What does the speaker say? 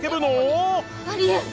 ありえん。